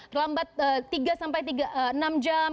terlambat tiga sampai enam jam